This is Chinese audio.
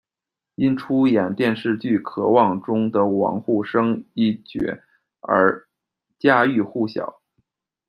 因出演电视剧《渴望》中的“王沪生”一角而家喻户晓。